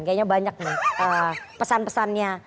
kayaknya banyak pesan pesannya